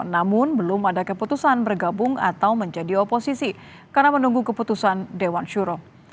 namun belum ada keputusan bergabung atau menjadi oposisi karena menunggu keputusan dewan syuro